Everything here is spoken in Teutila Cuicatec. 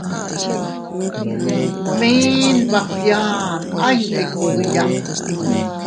Mi nbagiaʼa iyndikuiya.